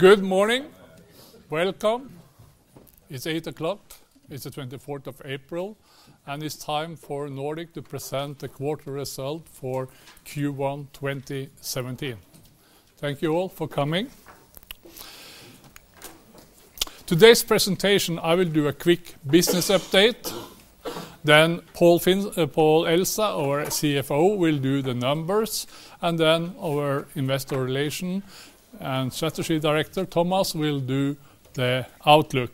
Good morning. Welcome. It's 8:00, it's the 24th of April, and it's time for Nordic to present the quarter result for Q1 2017. Thank you all for coming. Today's presentation, I will do a quick business update, then Paul Finn- Pål Elstad, our CFO, will do the numbers, and then our investor relation and strategy director, Thomas, will do the outlook.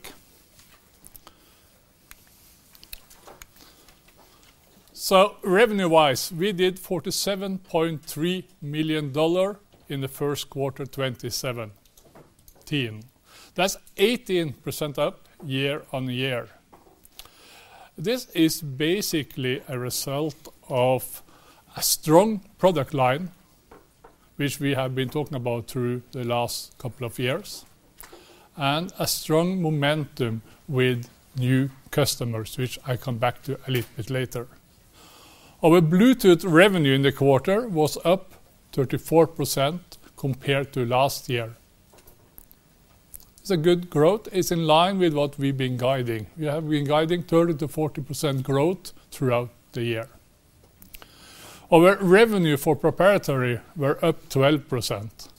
Revenue-wise, we did $47.3 million in the first quarter, 2017. That's 18% up year-on-year. This is basically a result of a strong product line, which we have been talking about through the last couple of years, and a strong momentum with new customers, which I come back to a little bit later. Our Bluetooth revenue in the quarter was up 34% compared to last year. It's a good growth. It's in line with what we've been guiding. We have been guiding 30%-40% growth throughout the year. Our revenue for proprietary were up 12%.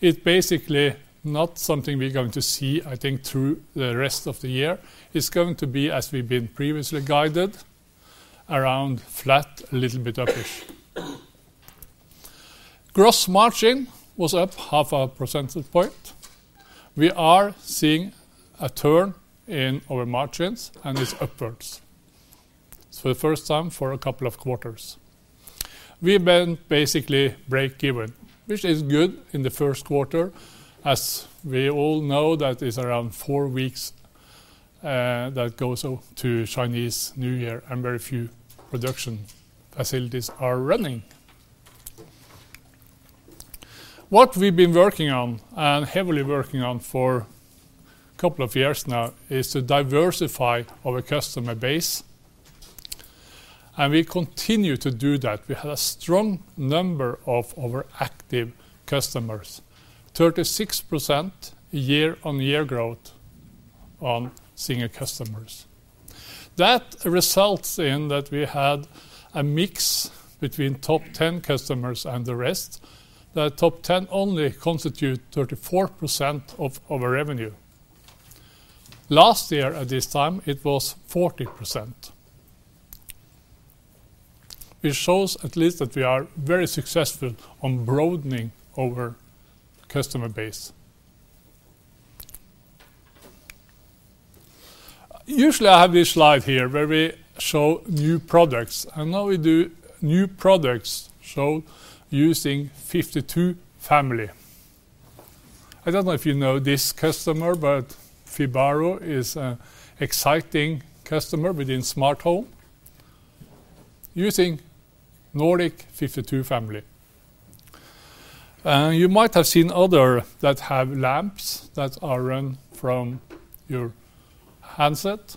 It's basically not something we're going to see, I think, through the rest of the year. It's going to be, as we've been previously guided, around flat, a little bit up-ish. Gross margin was up 0.5 percentage point. We are seeing a turn in our margins, and it's upwards for the first time for a couple of quarters. We've been basically break even, which is good in the first quarter, as we all know that it's around four weeks that goes to Chinese New Year, and very few production facilities are running. What we've been working on, and heavily working on for a couple of years now, is to diversify our customer base, and we continue to do that. We had a strong number of our active customers, 36% year-on-year growth on seeing our customers. That results in that we had a mix between top 10 customers and the rest. The top 10 only constitute 34% of our revenue. Last year at this time, it was 40%. It shows at least that we are very successful on broadening our customer base. Usually, I have this slide here where we show new products, and now we do new products show using nRF52 family. I don't know if you know this customer, but Fibaro is an exciting customer within Smart Home using Nordic nRF52 family. You might have seen other that have lamps that are run from your handset.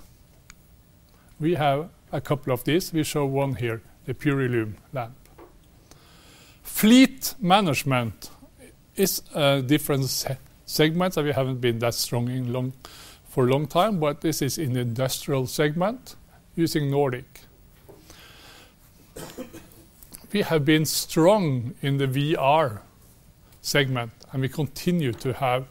We have a couple of these. We show one here, the Purelume lamp. Fleet management is a different segment. We haven't been that strong in long, for a long time. This is in the industrial segment using Nordic. We have been strong in the VR segment. We continue to have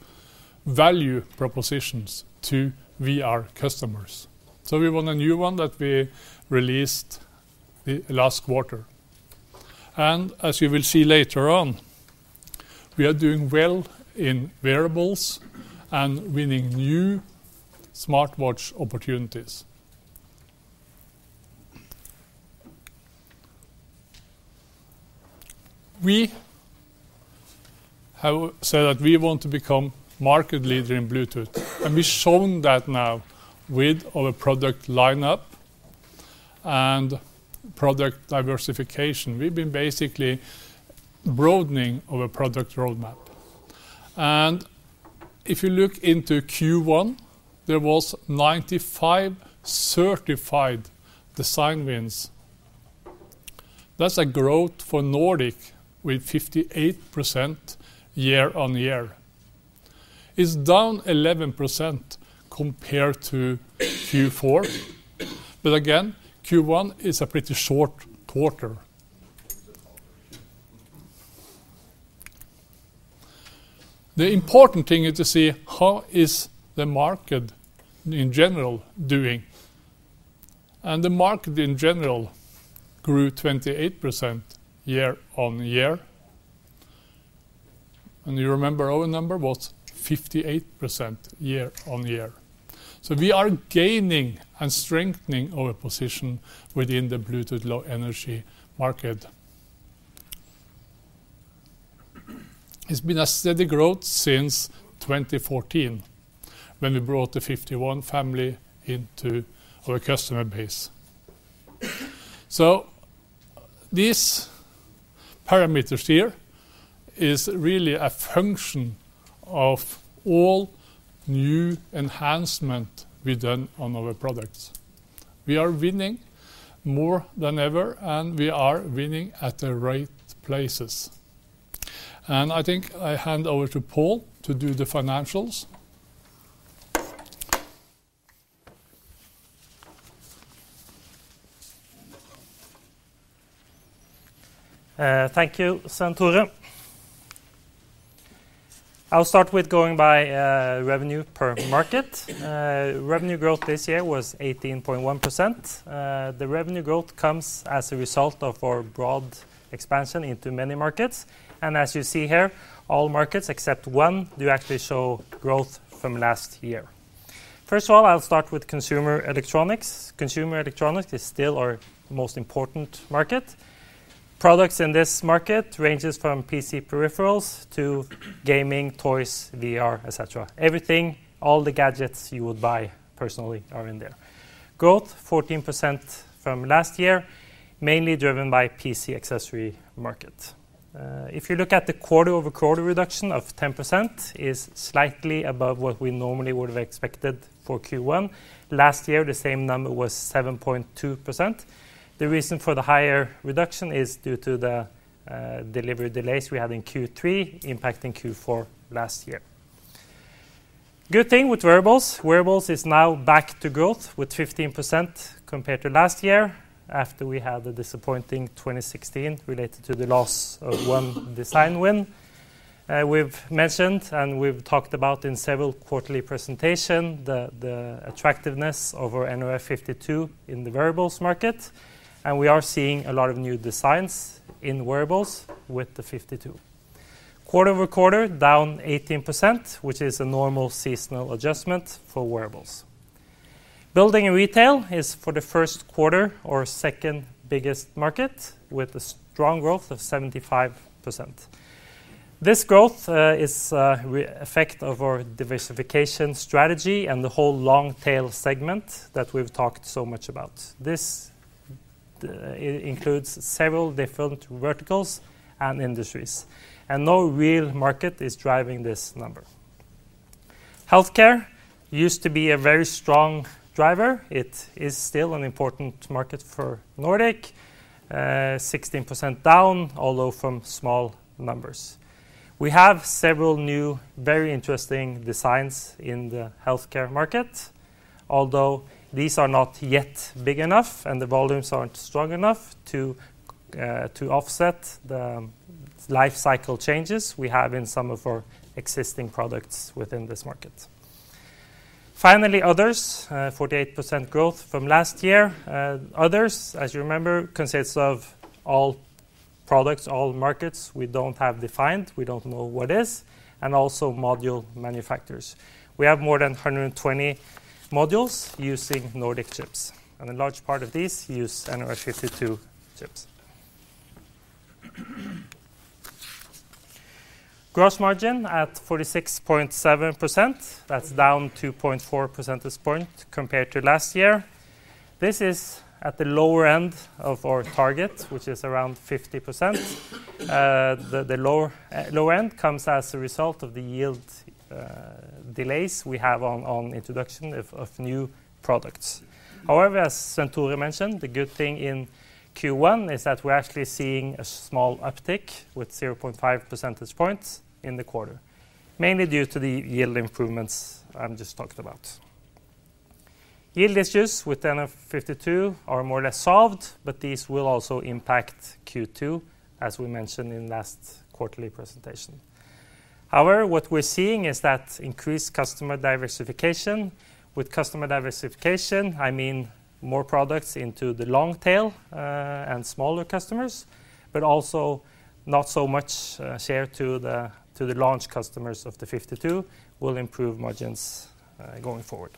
value propositions to VR customers. We want a new one that we released the last quarter. As you will see later on, we are doing well in wearables and winning new smartwatch opportunities. We have said that we want to become market leader in Bluetooth. We've shown that now with our product lineup and product diversification. We've been basically broadening our product roadmap. If you look into Q1, there was 95 certified design wins. That's a growth for Nordic with 58% year-on-year. It's down 11% compared to Q4. Again, Q1 is a pretty short quarter. The important thing is to see how is the market in general doing. The market in general grew 28% year-on-year. You remember our number was 58% year-on-year. We are gaining and strengthening our position within the Bluetooth Low Energy market. It's been a steady growth since 2014, when we brought the nRF51 family into our customer base. These parameters here is really a function of all new enhancement we've done on our products.... We are winning more than ever, and we are winning at the right places. I think I hand over to Pål to do the financials. Thank you, Svein-Egil. I'll start with going by revenue per market. Revenue growth this year was 18.1%. The revenue growth comes as a result of our broad expansion into many markets. As you see here, all markets except one do actually show growth from last year. First of all, I'll start with consumer electronics. Consumer electronics is still our most important market. Products in this market ranges from PC peripherals to gaming, toys, VR, et cetera. Everything, all the gadgets you would buy personally are in there. Growth, 14% from last year, mainly driven by PC accessory market. If you look at the quarter-over-quarter reduction of 10% is slightly above what we normally would have expected for Q1. Last year, the same number was 7.2%. The reason for the higher reduction is due to the delivery delays we had in Q3, impacting Q4 last year. Good thing with wearables, wearables is now back to growth, with 15% compared to last year, after we had a disappointing 2016 related to the loss of one design win. We've mentioned, and we've talked about in several quarterly presentation, the attractiveness of our nRF52 in the wearables market, and we are seeing a lot of new designs in wearables with the 52. Quarter-over-quarter, down 18%, which is a normal seasonal adjustment for wearables. Building and retail is, for the first quarter, our second biggest market, with a strong growth of 75%. This growth is effect of our diversification strategy and the whole long-tail segment that we've talked so much about. This, the, it includes several different verticals and industries, and no real market is driving this number. Healthcare used to be a very strong driver. It is still an important market for Nordic. 16% down, although from small numbers. We have several new, very interesting designs in the healthcare market, although these are not yet big enough, and the volumes aren't strong enough to offset the life cycle changes we have in some of our existing products within this market. Finally, others, 48% growth from last year. Others, as you remember, consists of all products, all markets we don't have defined, we don't know what is, and also module manufacturers. We have more than 120 modules using Nordic chips, and a large part of these use nRF52 chips. Gross margin at 46.7%. That's down 2.4 percentage point compared to last year. This is at the lower end of our target, which is around 50%. The, the lower low end comes as a result of the yield delays we have on introduction of new products. However, as Svein-Egil mentioned, the good thing in Q1 is that we're actually seeing a small uptick with 0.5 percentage points in the quarter, mainly due to the yield improvements I'm just talked about. Yield issues with nRF52 are more or less solved, but these will also impact Q2, as we mentioned in last quarterly presentation. However, what we're seeing is that increased customer diversification. With customer diversification, I mean more products into the long-tail, and smaller customers, but also not so much share to the launch customers of the 52 will improve margins going forward.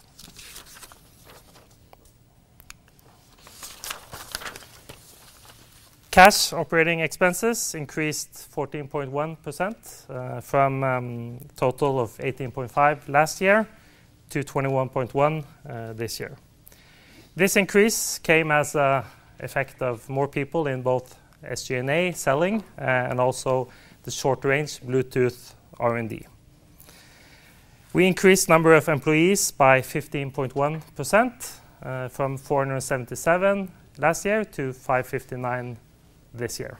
Cash operating expenses increased 14.1% from total of $18.5 million last year to $21.1 million this year. This increase came as a effect of more people in both SG&A selling, and also the short-range Bluetooth R&D. We increased number of employees by 15.1% from 477 last year-559 this year.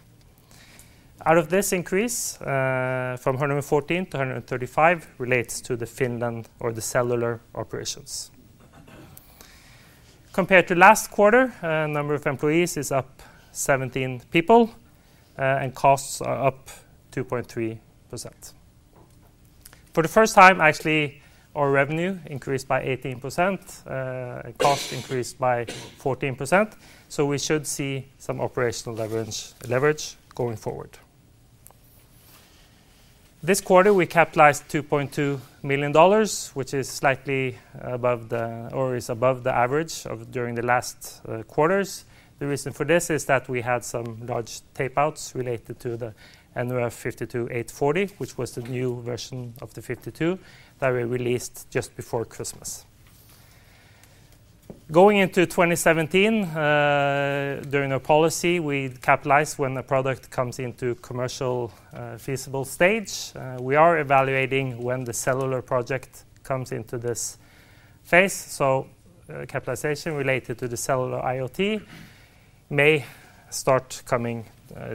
Out of this increase, from 114-135 relates to the Finland or the cellular operations. Compared to last quarter, number of employees is up 17 people, and costs are up 2.3%. For the first time, actually, our revenue increased by 18%, and cost increased by 14%, so we should see some operational leverage, leverage going forward. This quarter, we capitalized $2.2 million, which is slightly above the or is above the average of during the last quarters. The reason for this is that we had some large tapeouts related to the nRF52840, which was the new version of the nRF52 that we released just before Christmas. Going into 2017, during our policy, we'd capitalize when the product comes into commercial, feasible stage. We are evaluating when the cellular project comes into this phase. Capitalization related to the Cellular IoT may start coming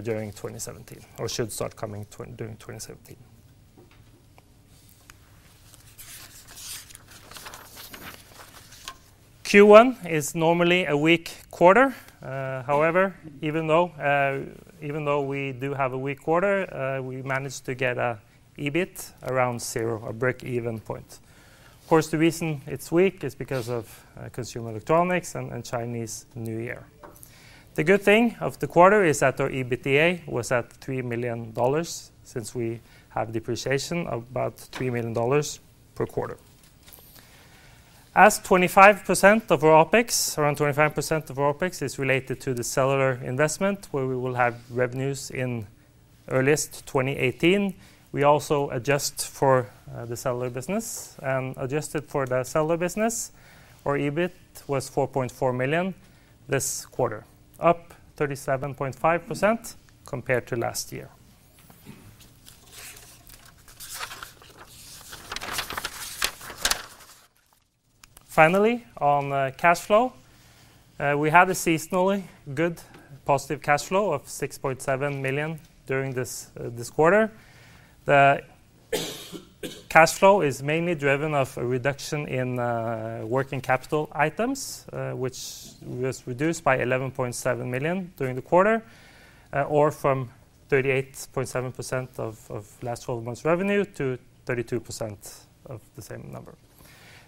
during 2017, or should start coming during 2017. Q1 is normally a weak quarter. However, even though, even though we do have a weak quarter, we managed to get a EBIT around zero, or breakeven point. Of course, the reason it's weak is because of consumer electronics and Chinese New Year. The good thing of the quarter is that our EBITDA was at $3 million, since we have depreciation of about $3 million per quarter. As 25% of our OpEx, around 25% of our OpEx, is related to the cellular investment, where we will have revenues in earliest 2018, we also adjust for the cellular business. Adjusted for the cellular business, our EBIT was $4.4 million this quarter, up 37.5% compared to last year. Finally, on cash flow, we had a seasonally good positive cash flow of $6.7 million during this quarter. The cash flow is mainly driven of a reduction in working capital items, which was reduced by $11.7 million during the quarter, or from 38.7% of last 12 months' revenue to 32% of the same number.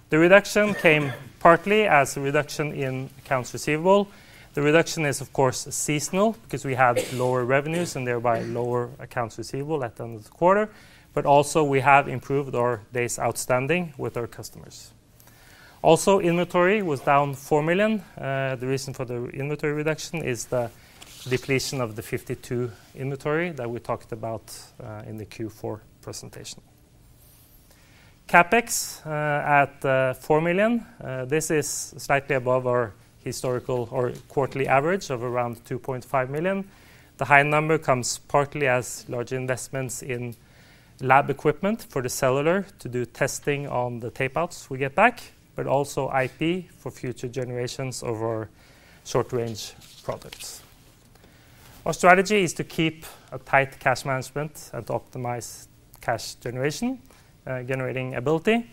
The reduction came partly as a reduction in accounts receivable. The reduction is, of course, seasonal, because we have lower revenues and thereby lower accounts receivable at the end of the quarter, but also, we have improved our days outstanding with our customers. Also, inventory was down $4 million. The reason for the inventory reduction is the depletion of the nRF52 inventory that we talked about in the Q4 presentation. CapEx at $4 million, this is slightly above our historical or quarterly average of around $2.5 million. The high number comes partly as large investments in lab equipment for the cellular to do testing on the tapeouts we get back, but also IP for future generations of our short-range products. Our strategy is to keep a tight cash management and optimize cash generation, generating ability.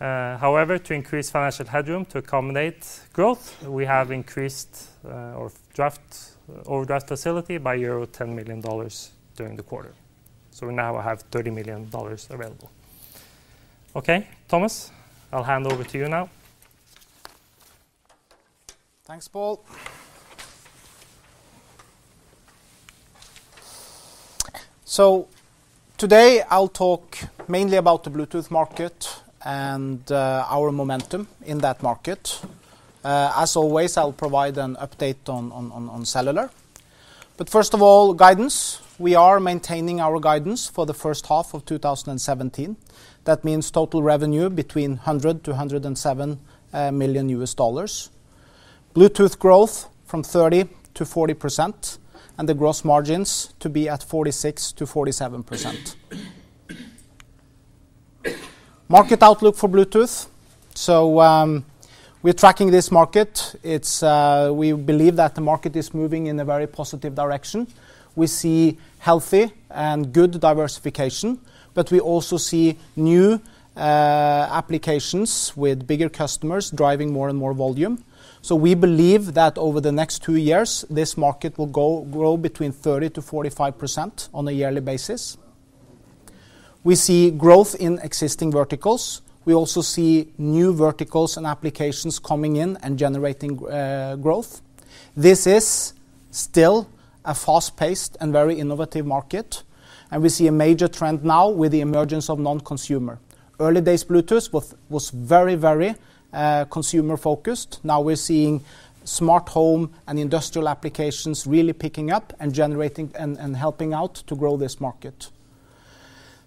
However, to increase financial headroom to accommodate growth, we have increased our draft- overdraft facility by EUR 10 million during the quarter. We now have EUR 30 million available. Okay, Thomas, I'll hand over to you now. Thanks, Pål. Today, I'll talk mainly about the Bluetooth market and our momentum in that market. As always, I'll provide an update on cellular. First of all, guidance. We are maintaining our guidance for the first half of 2017. That means total revenue between $100 million-$107 million. Bluetooth growth from 30%-40%, and the gross margins to be at 46%-47%. Market outlook for Bluetooth. We're tracking this market. It's. We believe that the market is moving in a very positive direction. We see healthy and good diversification, but we also see new applications with bigger customers driving more and more volume. We believe that over the next two years, this market will grow between 30%-45% on a yearly basis. We see growth in existing verticals. We also see new verticals and applications coming in and generating growth. This is still a fast-paced and very innovative market. We see a major trend now with the emergence of non-consumer. Early days, Bluetooth was, was very, very consumer-focused. Now we're seeing Smart Home and industrial applications really picking up and generating and helping out to grow this market.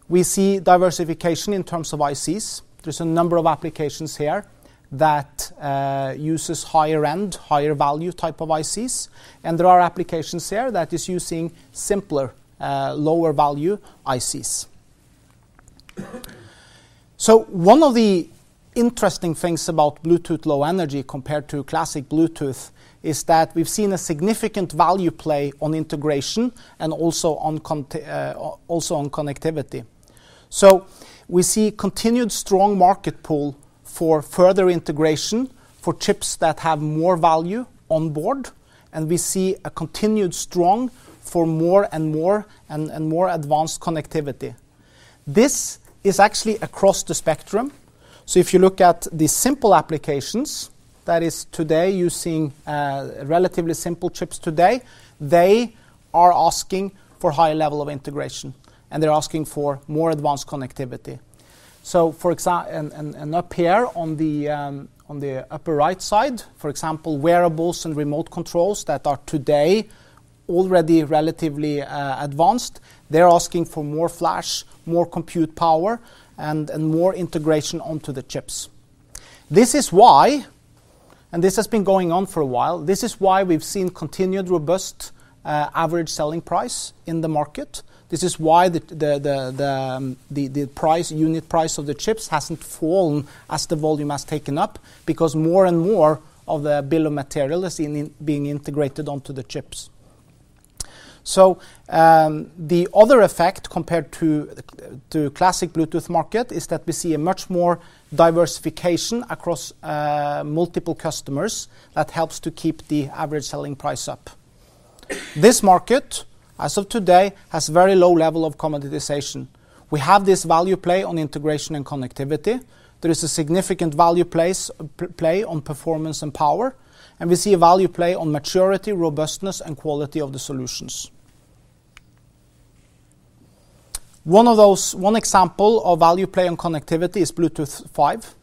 We see diversification in terms of ICs. There's a number of applications here that uses higher-end, higher-value type of ICs, and there are applications here that is using simpler, lower-value ICs. One of the interesting things about Bluetooth Low Energy compared to Bluetooth Classic is that we've seen a significant value play on integration and also on connectivity. We see continued strong market pull for further integration, for chips that have more value on board, and we see a continued strong for more and more and, and more advanced connectivity. This is actually across the spectrum. If you look at the simple applications, that is today using relatively simple chips today, they are asking for high level of integration, and they're asking for more advanced connectivity. Up here on the upper right side, for example, wearables and remote controls that are today already relatively advanced, they're asking for more flash, more compute power, and more integration onto the chips. This is why, and this has been going on for a while, this is why we've seen continued average selling price in the market. This is why the unit price of the chips hasn't fallen as the volume has taken up, because more and more of the Bill of Materials is being integrated onto the chips. The other effect, compared to the classic Bluetooth market, is that we see a much more diversification across multiple customers that helps to keep the average selling price up. This market, as of today, has very low level of commoditization. We have this value play on integration and connectivity. There is a significant value play on performance and power, and we see a value play on maturity, robustness, and quality of the solutions. One example of value play and connectivity is Bluetooth 5.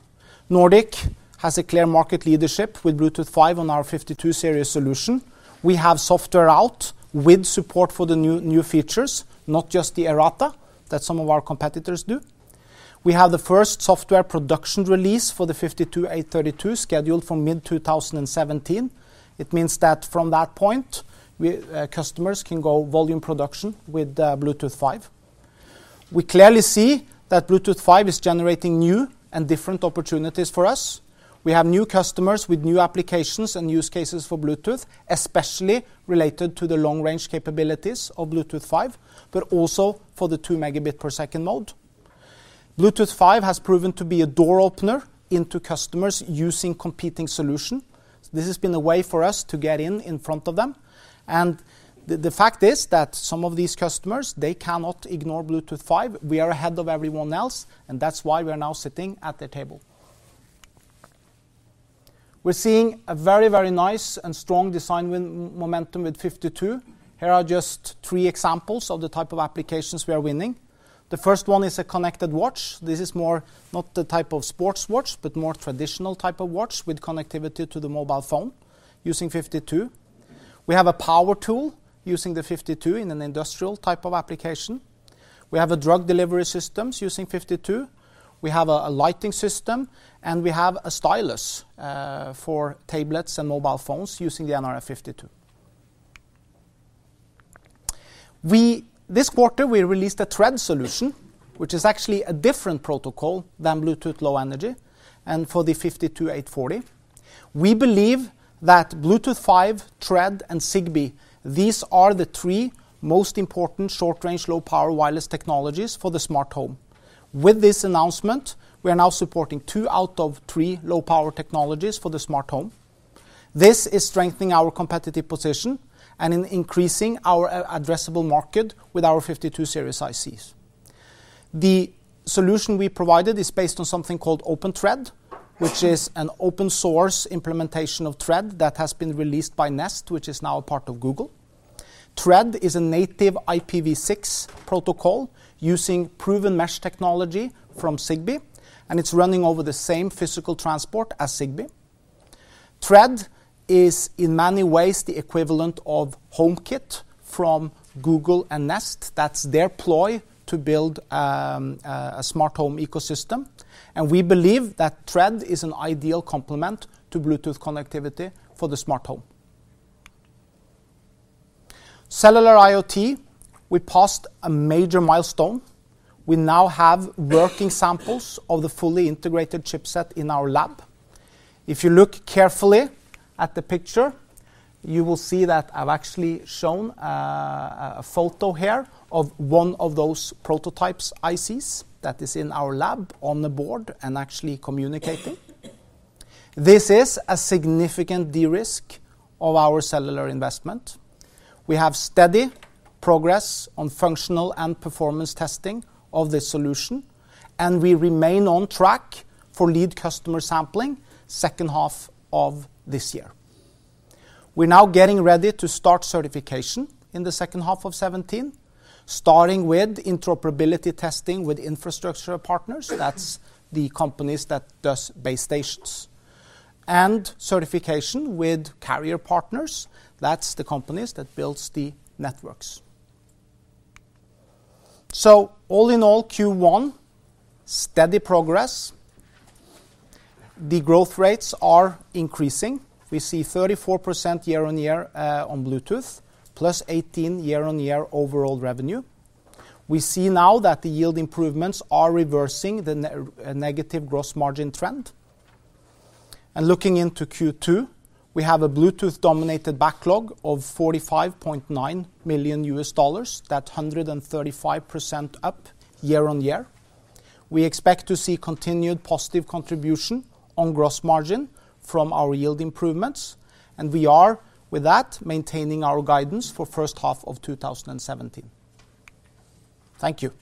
Nordic has a clear market leadership with Bluetooth 5 on our 52 series solution. We have software out with support for the new, new features, not just the errata, that some of our competitors do. We have the first software production release for the nRF52832, scheduled for mid-2017. It means that from that point, we- customers can go volume production with Bluetooth 5. We clearly see that Bluetooth 5 is generating new and different opportunities for us. We have new customers with new applications and use cases for Bluetooth, especially related to the long-range capabilities of Bluetooth 5, but also for the 2 Mbps mode. Bluetooth 5 has proven to be a door opener into customers using competing solution. This has been a way for us to get in, in front of them, and the, the fact is that some of these customers, they cannot ignore Bluetooth 5. We are ahead of everyone else, and that's why we are now sitting at the table. We're seeing a very, very nice and strong design win momentum with nRF52. Here are just three examples of the type of applications we are winning. The first one is a connected watch. This is more, not the type of sports watch, but more traditional type of watch, with connectivity to the mobile phone using nRF52. We have a power tool using the nRF52 in an industrial type of application. We have a drug delivery systems using nRF52. We have a, a lighting system, and we have a stylus for tablets and mobile phones using the nRF52. This quarter, we released a Thread solution, which is actually a different protocol than Bluetooth Low Energy, and for the nRF52840. We believe that Bluetooth 5, Thread, and Zigbee, these are the three most important short-range, low-power wireless technologies for the Smart Home. With this announcement, we are now supporting two out of three low-power technologies for the Smart Home. This is strengthening our competitive position and increasing our addressable market with our nRF52 Series ICs. The solution we provided is based on something called OpenThread, which is an open-source implementation of Thread that has been released by Nest, which is now a part of Google. Thread is a native IPv6 protocol using proven mesh technology from Zigbee, and it's running over the same physical transport as Zigbee. Thread is, in many ways, the equivalent of HomeKit from Google and Nest. That's their ploy to build a Smart Home ecosystem, and we believe that Thread is an ideal complement to Bluetooth connectivity for the Smart Home. Cellular IoT, we passed a major milestone. We now have working samples of the fully integrated chipset in our lab. If you look carefully at the picture, you will see that I've actually shown a photo here of one of those prototypes ICs that is in our lab on the board and actually communicating. This is a significant de-risk of our cellular investment. We have steady progress on functional and performance testing of this solution, and we remain on track for lead customer sampling second half of this year. We're now getting ready to start certification in the second half of 2017, starting with interoperability testing with infrastructure partners. That's the companies that does base stations. Certification with carrier partners, that's the companies that builds the networks. All in all, Q1, steady progress. The growth rates are increasing. We see 34% year-on-year on Bluetooth, +18% year-on-year overall revenue. We see now that the yield improvements are reversing the negative gross margin trend. Looking into Q2, we have a Bluetooth-dominated backlog of $45.9 million. That's 135% up year-on-year. We expect to see continued positive contribution on gross margin from our yield improvements, and we are, with that, maintaining our guidance for first half of 2017. Thank you.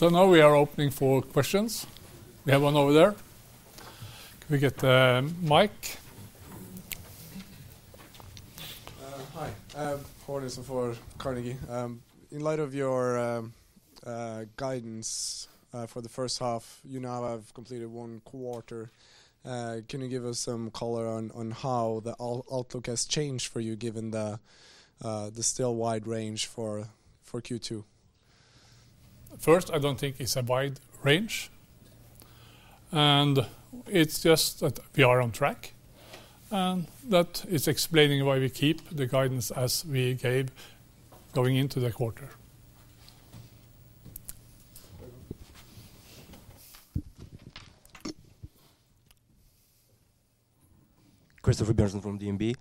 Now we are opening for questions. We have one over there. Can we get a mic? Hi, Paul Harrison for Carnegie. In light of your guidance for the first half, you now have completed one quarter. Can you give us some color on, on how the outlook has changed for you, given the still wide range for, for Q2? First, I don't think it's a wide range, and it's just that we are on track, and that is explaining why we keep the guidance as we gave going into the quarter. Christopher Johnson from DNB.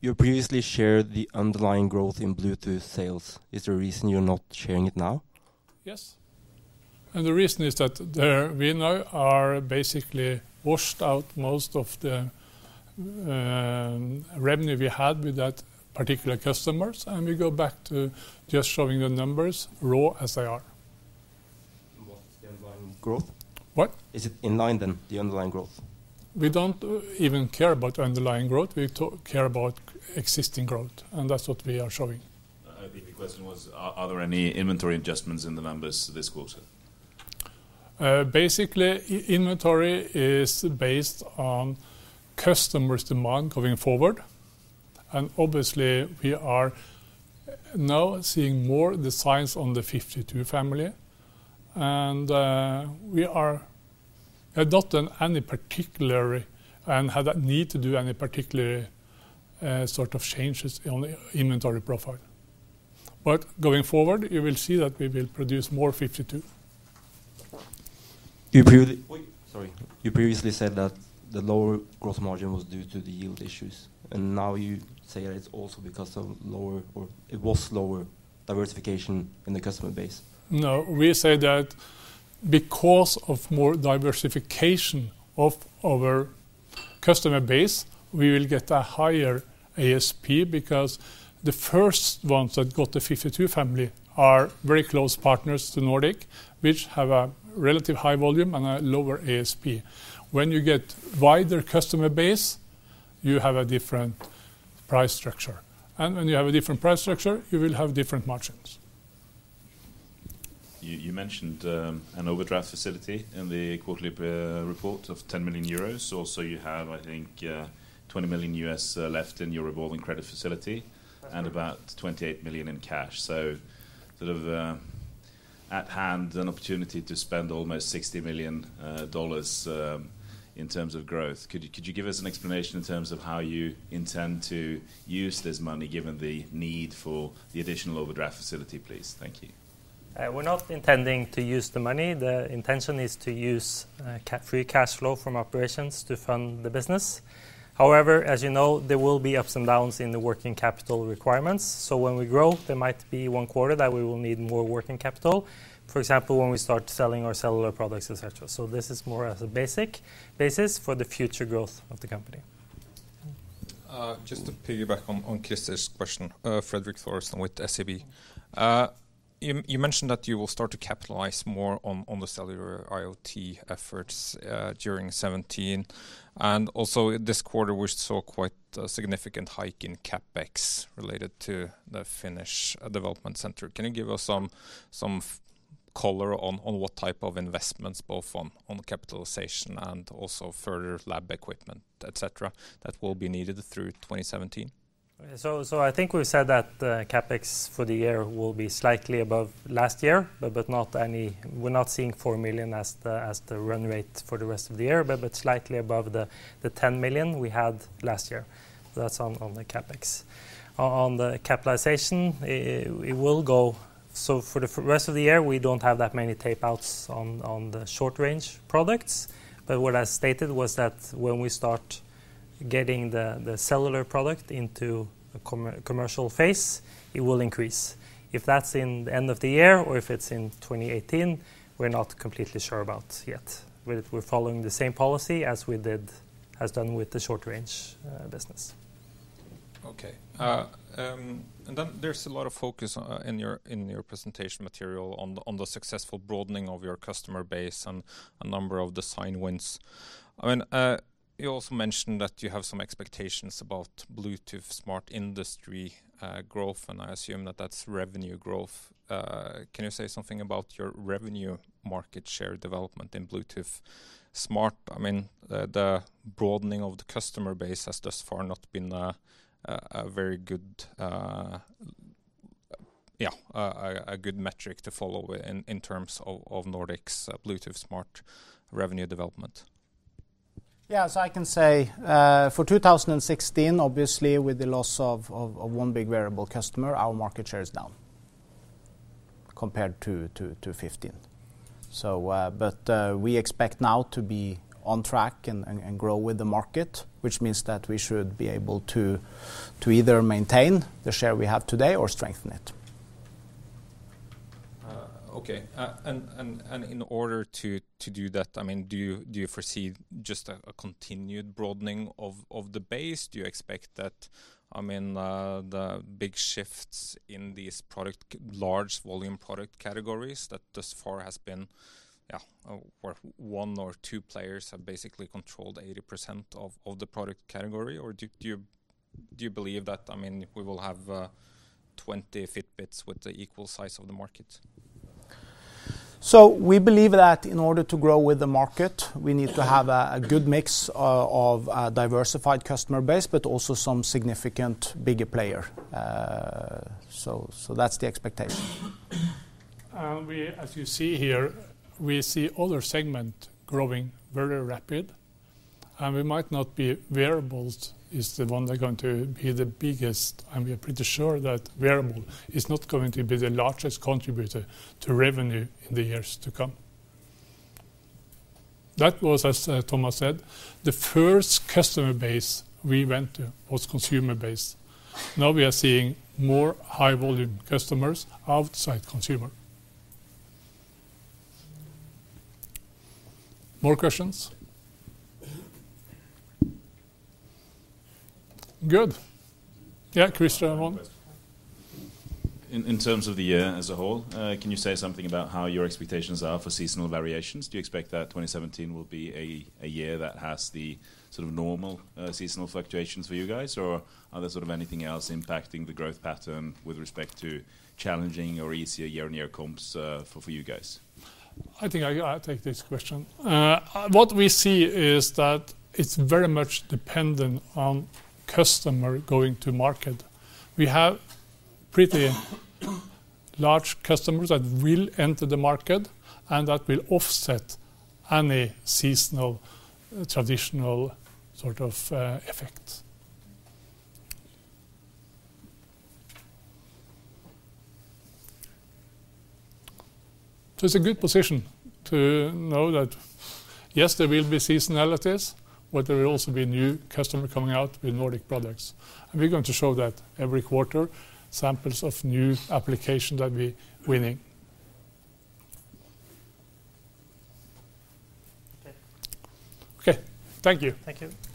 You previously shared the underlying growth in Bluetooth sales. Is there a reason you're not sharing it now? Yes. The reason is that there we now are basically washed out most of the revenue we had with that particular customers, and we go back to just showing the numbers raw as they are. What's the underlying growth? What? Is it in line, then, the underlying growth? We don't even care about underlying growth. We care about existing growth. That's what we are showing. The question was, are there any inventory adjustments in the numbers this quarter? Basically, inventory is based on customers' demand going forward, and obviously, we are now seeing more designs on the nRF52 family, and we are not in any particular and have that need to do any particular sort of changes on the inventory profile. Going forward, you will see that we will produce more 52. Wait, sorry. You previously said that the lower growth margin was due to the yield issues. Now you say that it's also because of lower or it was lower diversification in the customer base. No, we say that because of more diversification of our customer base, we will get a higher ASP, because the first ones that got the nRF52 family are very close partners to Nordic, which have a relative high volume and a lower ASP. When you get wider customer base, you have a different price structure, and when you have a different price structure, you will have different margins. You, you mentioned an overdraft facility in the quarterly report of 10 million euros. Also, you have, I think, $20 million left in your revolving credit facility. That's right. About $28 million in cash. Sort of, at hand, an opportunity to spend almost $60 million in terms of growth. Could you, could you give us an explanation in terms of how you intend to use this money, given the need for the additional overdraft facility, please? Thank you. We're not intending to use the money. The intention is to use free cash flow from operations to fund the business. However, as you know, there will be ups and downs in the working capital requirements. When we grow, there might be one quarter that we will need more working capital. For example, when we start selling our cellular products, et cetera. This is more as a basic basis for the future growth of the company. Just to piggyback on, on Chris's question, Fredrik Thorsson with SEB. You, you mentioned that you will start to capitalize more on, on the Cellular IoT efforts during 2017. Also, this quarter, we saw quite a significant hike in CapEx related to the Finnish development center. Can you give us some, some color on, on what type of investments, both on, on capitalization and also further lab equipment, et cetera, that will be needed through 2017? I think we said that the CapEx for the year will be slightly above last year, but not we're not seeing $4 million as the run rate for the rest of the year, but slightly above the $10 million we had last year. That's on the CapEx. On the capitalization, it will go. For the rest of the year, we don't have that many tape outs on the short-range products, but what I stated was that when we start getting the cellular product into a commercial phase, it will increase. If that's in the end of the year or if it's in 2018, we're not completely sure about yet. We're following the same policy as we has done with the short-range business. Okay. Then there's a lot of focus in your presentation material on the successful broadening of your customer base and a number of design wins. I mean, you also mentioned that you have some expectations about Bluetooth Smart industry growth, and I assume that that's revenue growth. Can you say something about your revenue market share development in Bluetooth Smart? I mean, the broadening of the customer base has thus far not been a very good, a good metric to follow in terms of Nordic's Bluetooth Smart revenue development. Yes, I can say, for 2016, obviously, with the loss of one big wearable customer, our market share is down compared to 2015. But we expect now to be on track and grow with the market, which means that we should be able to either maintain the share we have today or strengthen it. Okay. In order to, to do that, I mean, do you, do you foresee just a, a continued broadening of, of the base? Do you expect that, I mean, the big shifts in these product, large volume product categories, that thus far has been, where one or two players have basically controlled 80% of, of the product category? Or do, do you, do you believe that, I mean, we will have, 20 Fitbit with the equal size of the market? We believe that in order to grow with the market, we need to have a good mix of diversified customer base, but also some significant bigger player. So that's the expectation. We, as you see here, we see other segment growing very rapid. We might not be wearables is the one that are going to be the biggest. We are pretty sure that wearable is not going to be the largest contributor to revenue in the years to come. That was, as Thomas said, the first customer base we went to was consumer base. Now we are seeing more high-volume customers outside consumer. More questions? Good. Yeah, Christian, one. In terms of the year as a whole, can you say something about how your expectations are for seasonal variations? Do you expect that 2017 will be a year that has the sort of normal, seasonal fluctuations for you guys? Or are there sort of anything else impacting the growth pattern with respect to challenging or easier year-on-year comps, for you guys? I think I, I take this question. What we see is that it's very much dependent on customer going to market. We have pretty large customers that will enter the market, that will offset any seasonal, traditional effect. It's a good position to know that, yes, there will be seasonalities, but there will also be new customer coming out with Nordic products. We're going to show that every quarter, samples of new application that we're winning. Thank you. Thank you. Thanks.